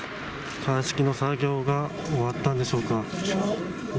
鑑識の作業が終わったんでしょうか。